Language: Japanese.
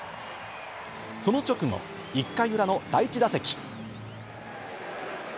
その直後、１回裏の第１打席。